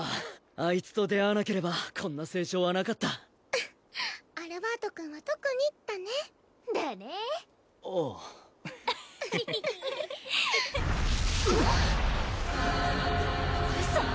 あいつと出会わなければこんな成長はなかったフフッアルバート君は特にだねだねああウソ